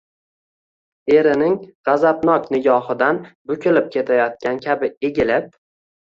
Erining gʼazabnok nigohidan bukilib ketayotgan kabi egilib: